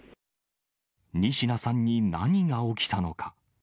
仁科さんに何が起きたのか。